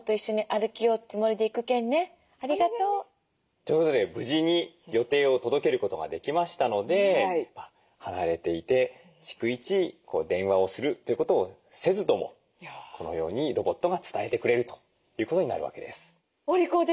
ということで無事に予定を届けることができましたので離れていて逐一電話をするってことをせずともこのようにロボットが伝えてくれるということになるわけです。